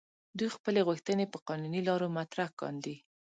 دوی خپلې غوښتنې په قانوني لارو مطرح کاندي.